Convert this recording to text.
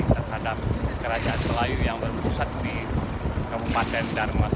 terhadap kerajaan selayu yang berpusat di kabupaten darmas